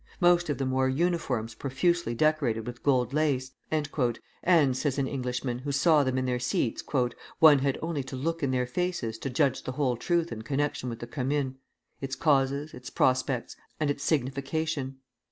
Most of them wore uniforms profusely decorated with gold lace," and, says an Englishman who saw them in their seats, "one had only to look in their faces to judge the whole truth in connection with the Commune, its causes, its prospects, and its signification.